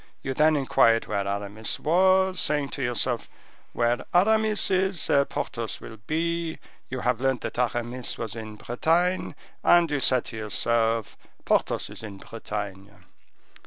You then inquired where Aramis was, saying to yourself, 'Where Aramis is, there Porthos will be.' You have learnt that Aramis was in Bretagne, and you said to yourself, 'Porthos is in Bretagne.